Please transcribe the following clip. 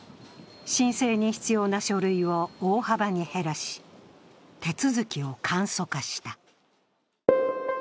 申請に必要な書類を大幅に減らし、手続きを簡素化した。